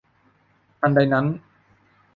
ทันใดนั้น !